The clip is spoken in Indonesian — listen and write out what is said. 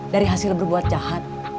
dari hasil berbuat jahat